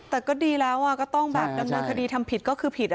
แต่ก็ดีแล้วก็ต้องแบบดำเนินคดีทำผิดก็คือผิด